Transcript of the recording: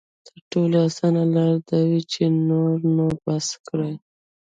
تر ټولو اسانه لاره دا وي چې نور نو بس کړي.